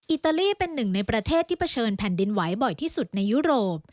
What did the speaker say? อิตาลีเป็นหนึ่งในประเทศที่เผชิญแผ่นดินไหวบ่อยที่สุดในยุโรป